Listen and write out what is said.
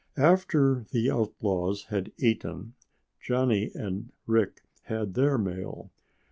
After the outlaws had eaten, Johnny and Rick had their meal.